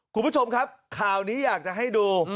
คุณผู้ชมครับข่าวนี้อยากจะให้ดู